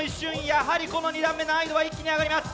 やはりこの２段目、難易度は一気に上がります。